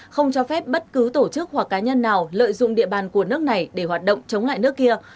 không cho phép bất cứ tổ chức hoặc cá nhân nào lợi dụng địa bàn của nước này để hoạt động chống lại nước kia